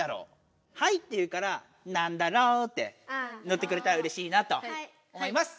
「はい」って言うから「なんだろう」ってのってくれたらうれしいなと思います。